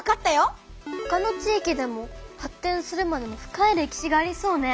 ほかの地域でも発展するまでの深い歴史がありそうね！